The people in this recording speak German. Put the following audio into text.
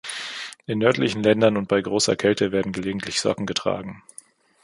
In nördlichen Ländern und bei großer Kälte werden gelegentlich Socken getragen.